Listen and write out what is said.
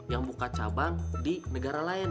yang buka cabang di negara lain